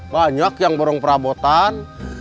banyak yang borong perabotan